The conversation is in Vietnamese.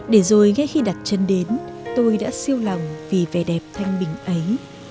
để rồi ngay khi đặt chân đến tôi đã siêu lòng vì vẻ đẹp thanh bình ấy